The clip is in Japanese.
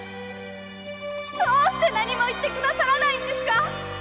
どうして何も言ってくださらないのですか？